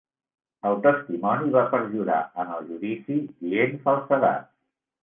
El testimoni va perjurar en el judici dient falsedats.